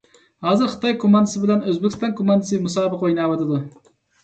ھازىر خىتاي كوماندىسى بىلەن ئۆزبېكىستان كوماندىسى مۇسابىقە ئويناۋاتىدۇ.